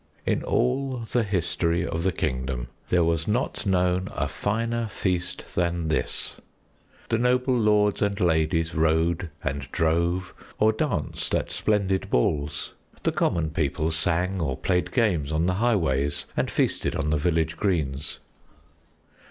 In all the history of the kingdom there was not known a finer feast than this. The noble lords and ladies rode and drove or danced at splendid balls. The common people sang or played games on the highways and feasted on the village greens.